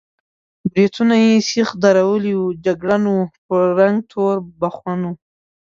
برېتونه یې سېخ درولي وو، جګړن و، په رنګ تور بخون و.